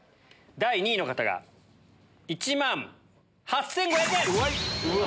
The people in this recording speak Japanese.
第２位の方が１万８５００円！